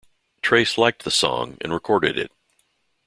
Trace liked the song and recorded it.